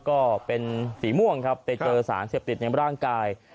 ก็เป็นสีม่วงครับไปเจอสารเสพติดในร่างกาย